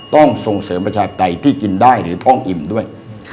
ต้องส่งเสริมประชาปไตยที่กินได้หรือท่องอิ่มด้วย